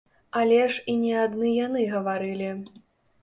Але ж і не адны яны гаварылі.